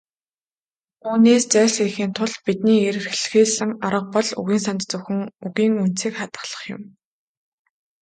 Үүнээс зайлсхийхийн тулд бидний эрэлхийлсэн арга бол үгийн санд зөвхөн "үгийн үндсийг хадгалах" юм.